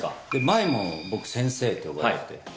前も僕「先生」って呼ばれてて。